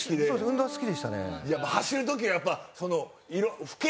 運動は好きでしたね。